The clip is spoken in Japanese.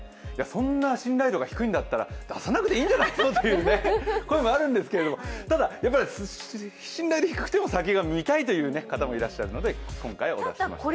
そんな信頼度が低いんだったら出さなくていいんじゃないの？という声もあるんですけれども、ただ、信頼度低くても先が見たいという方もいるので今回はお出ししました。